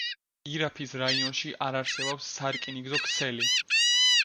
ირაფის რაიონში არ არსებობს სარკინიგზო ქსელი.